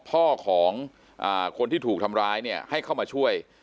พ่อของคนที่ถูกทำร้ายเนี่ยให้เข้ามาช่วย